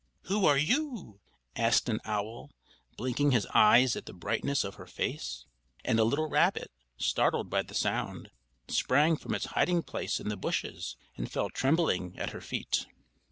Who are you?" asked an owl, blinking his eyes at the brightness of her face; and a little rabbit, startled by the sound, sprang from its hiding place in the bushes and fell trembling at her feet.